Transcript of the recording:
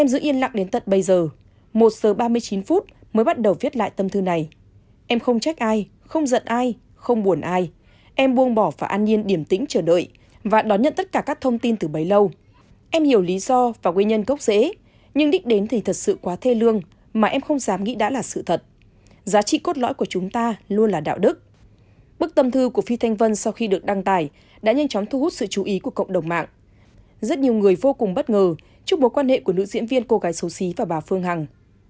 một người vô cùng bất ngờ trước mối quan hệ của nữ diễn viên cô gái xấu xí và bà phương hằng